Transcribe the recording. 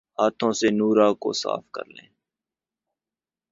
ہاتھوں سے نورہ کو صاف کرلیں